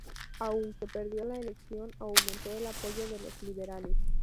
Aunque perdió la elección, aumentó el apoyo de los liberales.